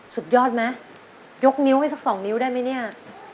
สุดยอดไหมยกนิ้วให้สักสองนิ้วได้ไหมเนี่ย